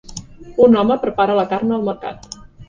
Un home prepara la carn al mercat